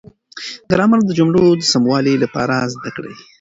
ګرامر د جملو د سموالي لپاره زده کړئ.